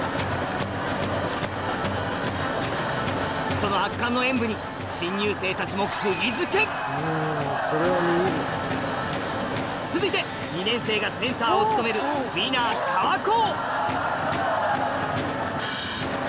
その圧巻の演舞に新入生たちも続いて２年生がセンターを務める『Ｗｉｎｎｅｒ 川高』！